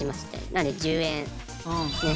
なので１０円ですね。